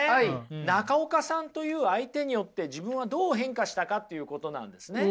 中岡さんという相手によって自分はどう変化したかっていうことなんですね。